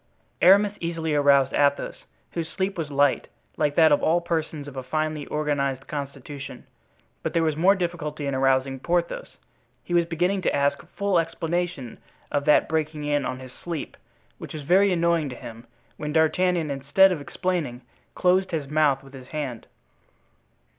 Aramis easily aroused Athos, whose sleep was light, like that of all persons of a finely organized constitution. But there was more difficulty in arousing Porthos. He was beginning to ask full explanation of that breaking in on his sleep, which was very annoying to him, when D'Artagnan, instead of explaining, closed his mouth with his hand.